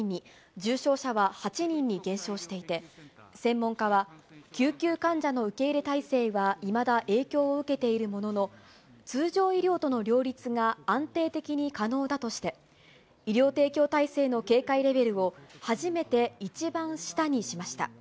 重症者は８人に減少していて、専門家は、救急患者の受け入れ体制はいまだ影響を受けているものの、通常医療との両立が安定的に可能だとして、医療提供体制の警戒レベルを初めて一番下にしました。